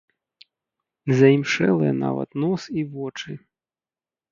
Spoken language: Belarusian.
Заімшэлыя нават нос і вочы.